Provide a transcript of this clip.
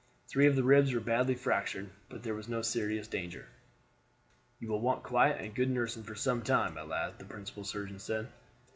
Three of the ribs were badly fractured, but there was no serious danger. "You will want quiet and good nursing for some time, my lad," the principal surgeon said.